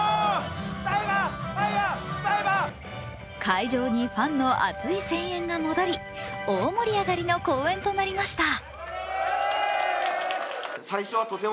会場にファンの熱い声援が戻り大盛り上がりの公演となりました。